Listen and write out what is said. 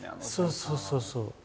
そうそうそうそう。